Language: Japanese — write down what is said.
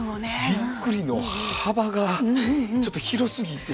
びっくりの幅がちょっと広すぎて。